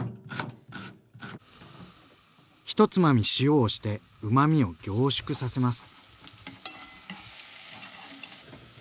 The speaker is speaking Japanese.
１つまみ塩をしてうまみを凝縮させます。